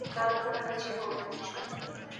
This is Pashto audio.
و په وژلو ګړندى او د دې فرق پرې نه و